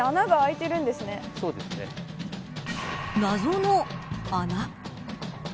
謎の穴。